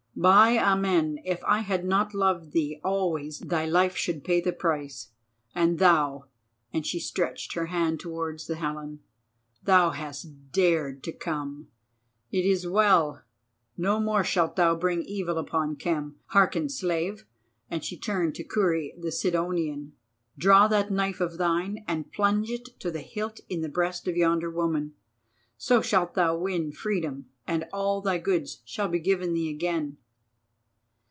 By Amen if I had not loved thee always thy life should pay the price. And thou," and she stretched her hand towards the Helen, "thou hast dared to come. It is well, no more shalt thou bring evil upon Khem. Hearken, slave," and she turned to Kurri the Sidonian; "draw that knife of thine and plunge it to the hilt in the breast of yonder woman. So shalt thou win freedom and all thy goods shall be given thee again."